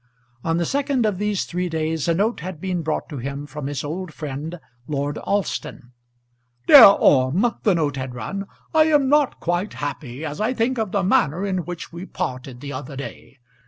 On the second of these three days a note had been brought to him from his old friend Lord Alston. "Dear Orme," the note had run, "I am not quite happy as I think of the manner in which we parted the other day.